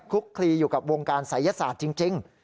ลุกคลีอยู่กับวงการศัยศาสตร์จริง